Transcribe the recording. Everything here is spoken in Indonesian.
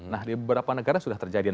nah di beberapa negara sudah terjadi